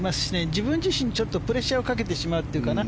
自分自身、プレッシャーをかけてしまっているかな。